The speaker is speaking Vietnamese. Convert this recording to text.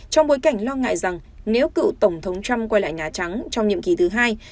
trong bối cảnh lo ngại rằng nếu cựu tổng thống trump quay lại nhà trắng trong nhiệm kỳ thứ hai